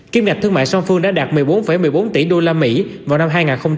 kim ngạch thương mại song phương đã đạt một mươi bốn một mươi bốn tỷ đô la mỹ vào năm hai nghìn hai mươi hai